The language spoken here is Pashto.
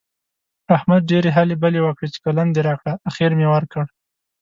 احمد ډېرې هلې بلې وکړې چې قلم دې راکړه؛ اخېر مې ورکړ.